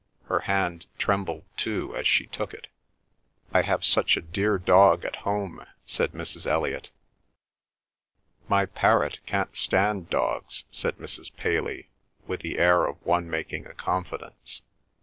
Her hand trembled too as she took it. "I have such a dear dog at home," said Mrs. Elliot. "My parrot can't stand dogs," said Mrs. Paley, with the air of one making a confidence.